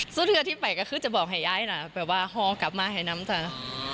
สุดท้ายที่ไปก็คือจะบอกให้ยายนะแบบว่าฮอกลับมาให้นำเถอะ